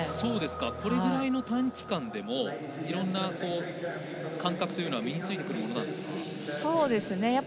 これぐらいの短期間でもいろんな感覚というのは身についてくるものですか。